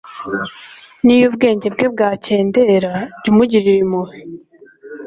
n'iyo ubwenge bwe bwakendera, jya umugirira impuhwe